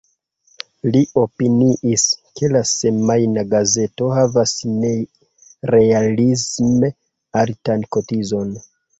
Li opiniis, ke la semajna gazeto havas nerealisme altan kotizon.